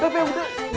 be be be udah